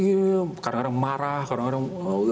sekarang tuh kadang kadang marah kadang kadang